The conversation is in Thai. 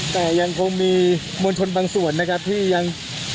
แต่ยังคงมีมวลชนบางส่วนนะครับที่ยัง